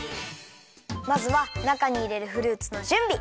まずはなかにいれるフルーツのじゅんび！